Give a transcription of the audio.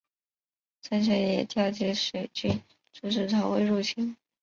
孙权也调集水军阻止曹魏入侵。